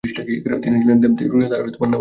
তিনি ছিলেন দিবসে রোযাদার আর রাতে নামাযে অবিরত।